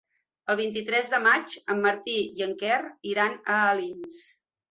El vint-i-tres de maig en Martí i en Quer iran a Alins.